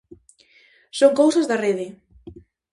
Son cousas da Rede.